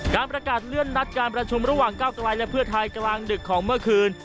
การประกาศเลื่อนนัดการประชุมระหว่างก้าวกลายและเพื่อไทยกลางดึกของเมื่อคืน